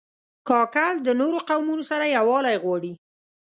کاکړ د نورو قومونو سره یووالی غواړي.